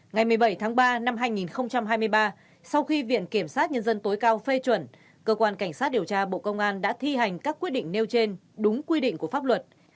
ngày một mươi bảy tháng ba năm hai nghìn hai mươi ba sau khi viện kiểm sát nhân dân tối cao phê chuẩn cơ quan cảnh sát điều tra bộ công an đã thi hành các quyết định nêu trên đúng quy định của pháp luật